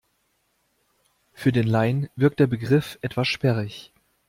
Für den Laien wirkt der Begriff etwas sperrig.